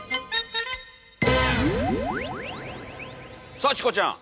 さあチコちゃん！